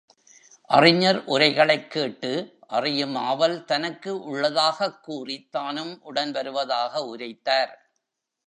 அறிஞர்கள் உரைகளைக் கேட்டு அறியும் ஆவல் தனக்கு உள்ளதாகக் கூறித் தானும் உடன் வருவதாக உரைத்தார்.